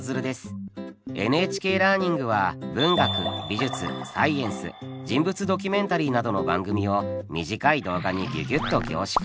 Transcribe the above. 「ＮＨＫラーニング」は文学美術サイエンス人物ドキュメンタリーなどの番組を短い動画にギュギュッと凝縮。